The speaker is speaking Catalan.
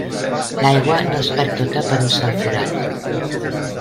L'aigua no es perd tota per un sol forat.